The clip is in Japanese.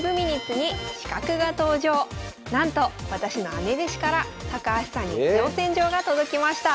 なんと私の姉弟子から高橋さんに挑戦状が届きました。